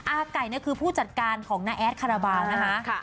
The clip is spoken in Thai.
อาไก่คือผู้จัดการของน้าแอดคาราบาลนะคะ